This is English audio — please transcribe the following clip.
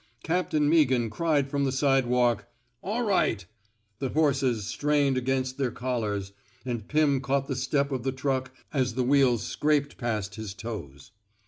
Captain Meaghan cried from the sidewalk, '* All right! *'— the horses strained against their collars — and Pirn caught the step of the truck as the wheels scraped past his toes.